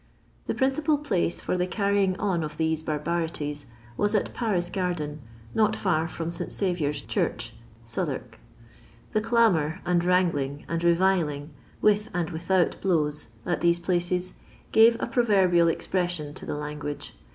The principal place for the carrying on of these barbarities was at Paris Garden, not fiir from St. Saviour's Church, Southwark. The clamour, and wrangling, and reviling, with and without blows, at these places, gave a proverbial expression to the language.